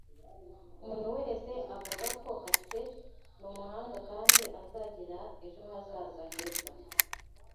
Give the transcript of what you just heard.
Umuntu wese avuga ko Kate numuhanga kandi azagira ejo hazaza heza